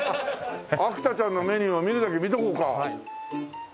芥ちゃんのメニューを見るだけ見とこうか。